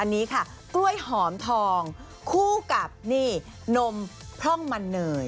อันนี้ค่ะกล้วยหอมทองคู่กับนี่นมพร่องมันเนย